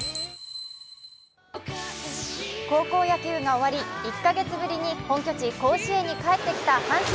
高校野球が終わり、１か月ぶりに本拠地・甲子園に帰ってきた阪神。